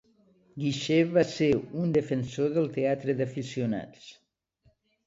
Guixer va ser un defensor del teatre d'aficionats.